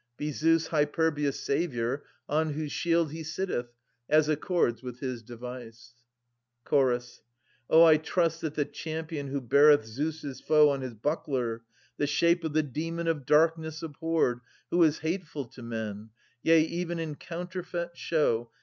Be Zeus Hyperbius' saviour, on whose shield He sitteth, as accords with his device. 520 Chorus. O, I trust that the champion who beareth Zeus's foe On his buckler, the shape of the demon of darkness abhorred. Who is hateful to men, yea, even in counterfeit show.